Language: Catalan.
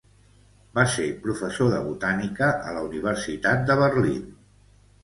Va ser professor de botànica a la Universitat de Berlín.